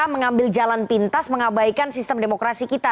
mengambil jalan pintas mengabaikan sistem demokrasi kita